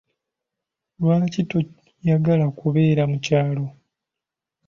Lwaki toygala kubeera mu kyalo?